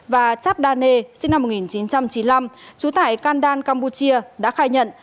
và chabdane sinh năm một nghìn chín trăm chín mươi năm chú tải kandan campuchia đã khai nhận